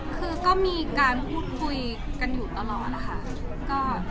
คือก็มีการพูดคุยกันอยู่ตลอดนะคะ